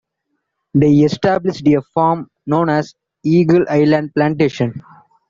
They established a farm known as Eagle Island Plantation.